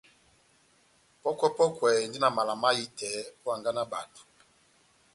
Pɔ́kwɛ-pɔkwɛ endi na mala mahitɛ ó hanganɛ ya bato.